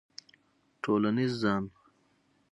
ټولنیز ځان